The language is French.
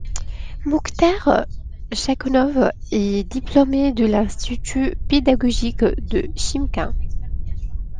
Moukhtar Chakhanov est diplômé de l'Institut pédagogique de Chimkent.